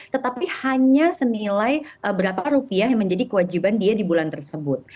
tetapi hanya senilai berapa rupiah yang menjadi kewajiban dia di bulan tersebut